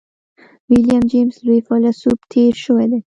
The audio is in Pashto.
ويليم جېمز لوی فيلسوف تېر شوی دی.